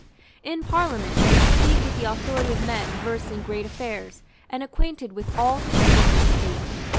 In Parliament they speak with the authority of men versed in great affairs and acquainted with all the secrets of the State.